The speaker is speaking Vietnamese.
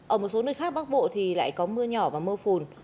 ở một số nơi khác bắc bộ thì lại có mưa nhỏ và mưa phùn